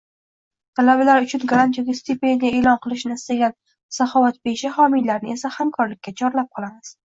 Talabalar uchun grant yoki stipendiya eʼlon qilishni istagan saxovatpesha homiylarni esa hamkorlikka chorlab qolamiz.